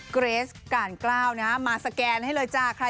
เกรสก่านกล้าวนะมาสแกนให้เลยจ้า